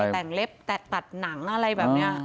แต่งเล็บตัดหนังอะไรแบบนี้